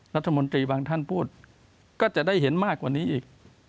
รัฐมนตรีบางท่านพูดก็จะได้เห็นมากกว่านี้อีก